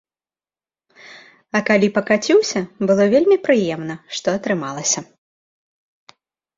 А калі пакаціўся, было вельмі прыемна, што атрымалася.